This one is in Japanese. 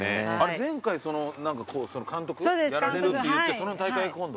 前回監督やられるって言ってその大会が今度？